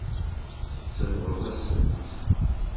Tsebɣeḍ-asent-tt.